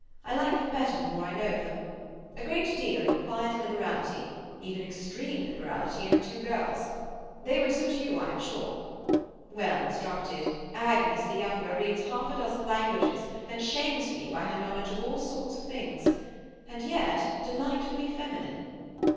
I like them better the more I know of them. A great deal of quiet liberality—even extreme liberality—in the two girls. They would suit you, I am sure. Well instructed. Agnes, the younger, reads half a dozen languages, and shames me by her knowledge of all sorts of things. And yet delightfully feminine.